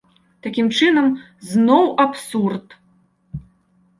Такім чынам, зноў абсурд!